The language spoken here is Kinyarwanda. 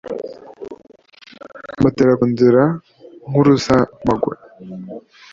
mbategera ku nzira nk’urusamagwe.